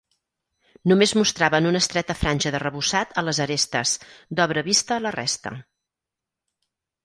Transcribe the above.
Només mostraven una estreta franja d'arrebossat a les arestes, d'obra vista a la resta.